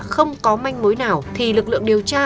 không có manh mối nào thì lực lượng điều tra